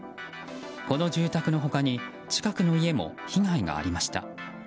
この住宅の他に近くの家も被害がありました。